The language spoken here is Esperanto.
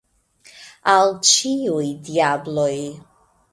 Al ĉiuj diabloj!